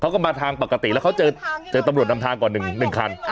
เขาก็มาทางปกติแล้วเขาเจอตำรวจนำทางก่อน๑คัน